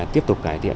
giúp những cán bộ phận